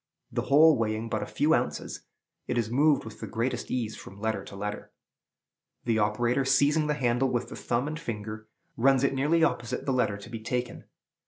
The whole weighing but a few ounces, it is moved with the greatest ease from letter to letter. The operator, seizing the handle with the thumb and finger, runs it nearly opposite the letter to be taken.